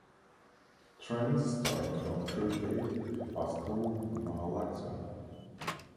Trains starting from Churchgate pass through Mahalaxmi.